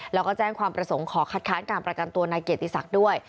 แล้วก็แจ้งความประสงค์ขอคัดค้านการประกันตัวนายเกียรติศักดิ์ด้วย